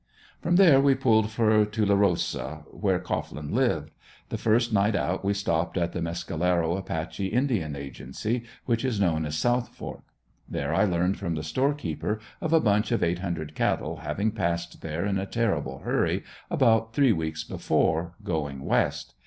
From there we pulled for Tulerosa where Cohglin lived. The first night out we stopped at the Mescalero Apache Indian Agency, which is known as South Fork. There I learned from the storekeeper of a bunch of eight hundred cattle having passed there in a terrible hurry, about three weeks before, going west.